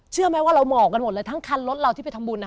เชื่อไหมว่าเราเหมาะกันหมดเลยทั้งคันรถเราที่ไปทำบุญ